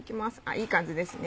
いい感じですね。